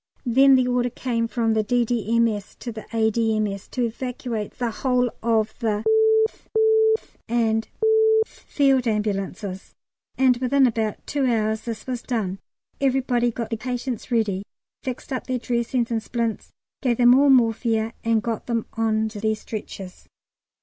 Then the order came from the D.D.M.S. to the A.D.M.S. to evacuate the whole of the th, th, and th Field Ambulances, and within about two hours this was done. Everybody got the patients ready, fixed up their dressings and splints, gave them all morphia, and got them on to their stretchers.